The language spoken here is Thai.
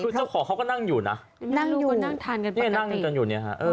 คุณเจ้าของเขาก็นั่งอยู่นะนั่งอยู่นั่งกันอยู่นี่ค่ะ